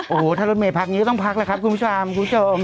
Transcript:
โอ้โหถ้ารถเมศพักอย่างนี้ก็ต้องพักเลยครับคุณผู้ชม